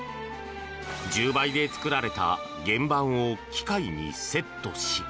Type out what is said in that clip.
１０倍で作られた原盤を機械にセットし。